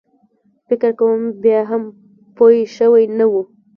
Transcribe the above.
فکر کوم بیا هم پوی شوی نه و.